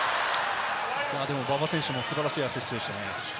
馬場選手も素晴らしいアシストでしたね。